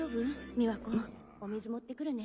美和子お水持ってくるね。